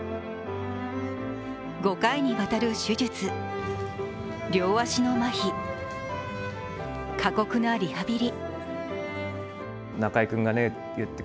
５回にわたる手術、両足のまひ、過酷なリハビリ。